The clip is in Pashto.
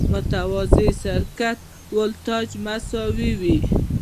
متوازي سرکټ کې ولټاژ مساوي وي.